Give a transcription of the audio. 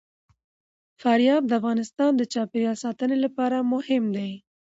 فاریاب د افغانستان د چاپیریال ساتنې لپاره مهم دي.